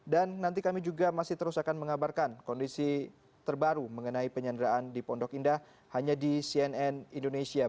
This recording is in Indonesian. dan nanti kami juga masih terus akan mengabarkan kondisi terbaru mengenai penyanderaan di pondok indah hanya di cnn indonesia